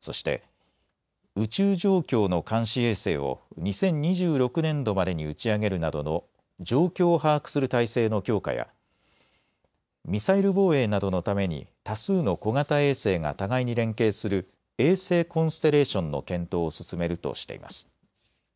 そして宇宙状況の監視衛星を２０２６年度までに打ち上げるなどの状況を把握する体制の強化やミサイル防衛などのために多数の小型衛星が互いに連携する衛星コンステレーションの検討を進めるとしています。